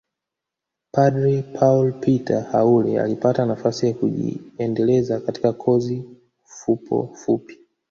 Padre Paul Peter Haule alipata nafasi ya kujiendeleza katika kozi fupofupi